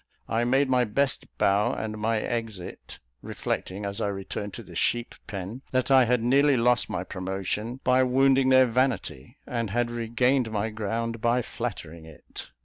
I made my best bow and my exit, reflecting, as I returned to the "sheep pen," that I had nearly lost my promotion by wounding their vanity, and had regained my ground by flattering it.